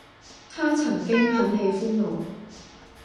她曾經很喜歡我